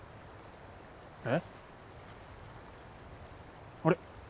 えっ？あれ？